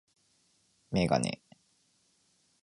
メガネ